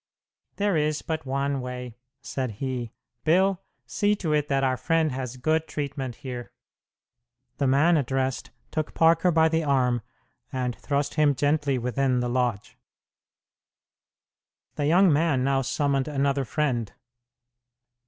"There is but one way," said he. "Bill, see to it that our friend has good treatment here." The man addressed took Parker by the arm and thrust him gently within the lodge. The young man now summoned another friend.